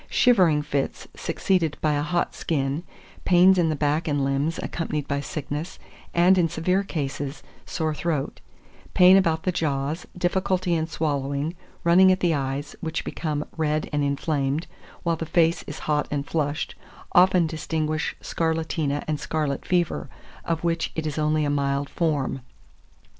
Shivering fits, succeeded by a hot skin; pains in the back and limbs, accompanied by sickness, and, in severe cases, sore throat; pain about the jaws, difficulty in swallowing, running at the eyes, which become red and inflamed, while the face is hot and flushed, often distinguish scarlatina and scarlet fever, of which it is only a mild form.